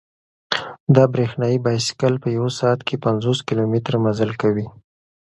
دا برېښنايي بایسکل په یوه ساعت کې پنځوس کیلومتره مزل کوي.